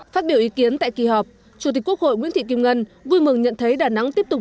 phát biểu ý kiến tại kỳ họp chủ tịch quốc hội nguyễn thị kim ngân vui mừng nhận thấy đà nẵng tiếp tục